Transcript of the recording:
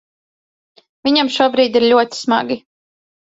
Viņam šobrīd ir ļoti smagi.